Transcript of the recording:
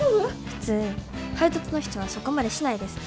普通配達の人はそこまでしないです。